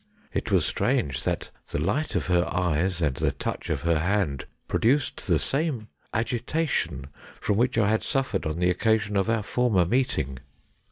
It was strange that the light of her eyes and the touch of her hand produced the same agitation from which I had suffered on the occasion of our former meeting.